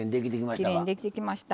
きれいにできてきました。